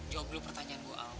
jawab dulu pertanyaan bu al